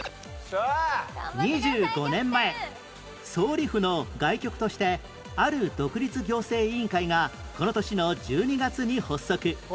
２５年前総理府の外局としてある独立行政委員会がこの年の１２月に発足